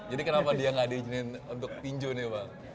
jadi kenapa dia tidak diizinkan untuk tinju nih bang